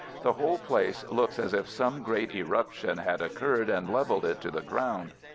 The whole place looks as if some great eruption had occurred and leveled it to the ground.